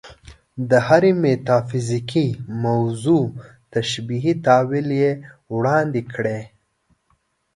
د هرې میتافیزیکي موضوع تشبیهي تأویل یې وړاندې کړی.